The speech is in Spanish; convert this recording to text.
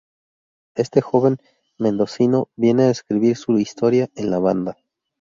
Este joven mendocino viene a escribir su historia en la banda.